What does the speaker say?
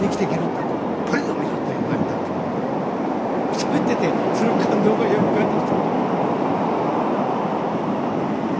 しゃべっててその感動がよみがえってきた。